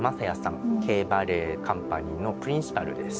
Ｋバレエカンパニーのプリンシパルです。